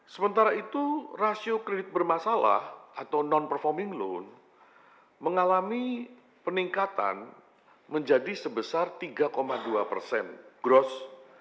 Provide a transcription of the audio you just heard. sementara itu rasio kredit bermasalah atau non performing loan mengalami peningkatan menjadi sebesar tiga dua persen gross